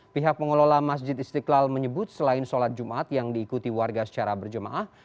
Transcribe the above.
pihak pengelola masjid istiqlal menyebut selain sholat jumat yang diikuti warga secara berjemaah